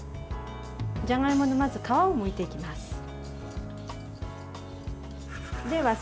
じゃがいもの、まず皮をむいていきます。